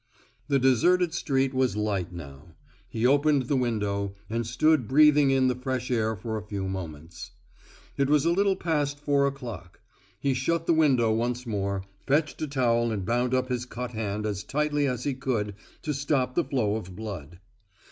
The deserted street was light now. He opened the window, and stood breathing in the fresh air for a few moments. It was a little past four o'clock. He shut the window once more, fetched a towel and bound up his cut hand as tightly as he could to stop the flow of blood.